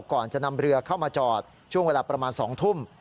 ก่อนจะนำเรือเข้ามาจอดช่วงเวลาประมาณ๒ทุ่ม